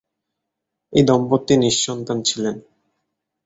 এই দম্পতি নিঃসন্তান ছিলেন।